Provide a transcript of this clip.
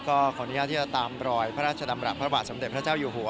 ขออนุญาตที่จะตามรอยพระราชดำรับพระบาทสมเด็จพระเจ้าอยู่หัว